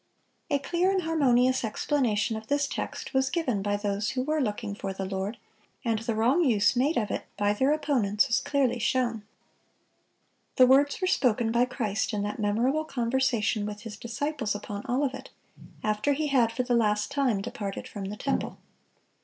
(610) A clear and harmonious explanation of this text was given by those who were looking for the Lord, and the wrong use made of it by their opponents was clearly shown. The words were spoken by Christ in that memorable conversation with His disciples upon Olivet, after He had for the last time departed from the temple.